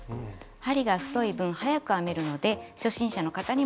針が太い分早く編めるので初心者の方にもオススメです。